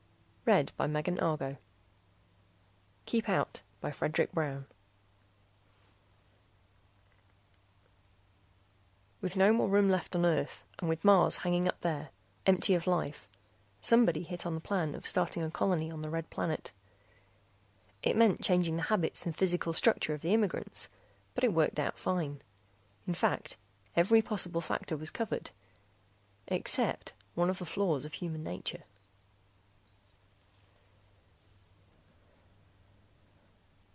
net KEEP OUT BY FREDERIC BROWN _With no more room left on Earth, and with Mars hanging up there empty of life, somebody hit on the plan of starting a colony on the Red Planet. It meant changing the habits and physical structure of the immigrants, but that worked out fine. In fact, every possible factor was covered except one of the flaws of human nature....